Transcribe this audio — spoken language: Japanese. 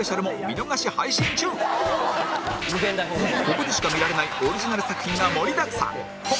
ここでしか見られないオリジナル作品が盛りだくさん